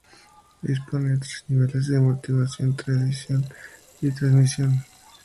Dispone de tres niveles de amortiguación, tracción y transmisión: "Track", "Sport" y "Street".